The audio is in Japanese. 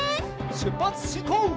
しゅっぱつしんこう！